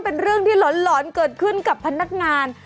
เป็นเรื่องที่หลอนเกิดขึ้นกับพนักงาน